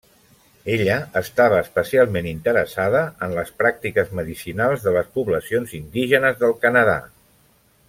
Ella estava especialment interessada en les pràctiques medicinals de les poblacions indígenes del Canadà.